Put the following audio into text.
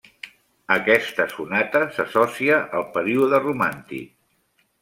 Aquesta sonata s'associa al període romàntic.